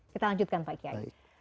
kita lanjutkan pak kiai